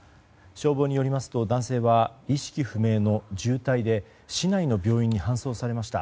消防によりますと男性は意識不明の重体で市内の病院に搬送されました。